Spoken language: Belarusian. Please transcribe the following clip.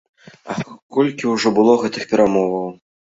Ах, колькі ўжо было гэтых перамоваў!